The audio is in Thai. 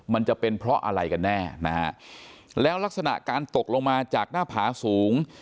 มันจะเป็นเพราะอะไรกันแน่นะฮะแล้วลักษณะการตกลงมาจากหน้าผาสูง